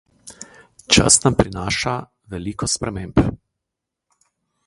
Čas nam prinaša veliko sprememb.